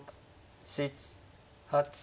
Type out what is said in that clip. ７８。